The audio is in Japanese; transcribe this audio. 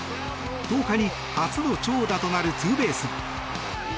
１０日に初の長打となるツーベース。